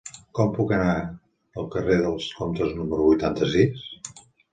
Com puc anar al carrer dels Comtes número vuitanta-sis?